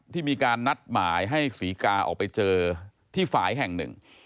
ที่มีการนัดหมายให้ศรีกาออกไปเจอที่ฝ่ายแห่งหนึ่ง